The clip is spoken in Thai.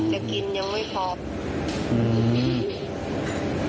จะกินยังไม่พอ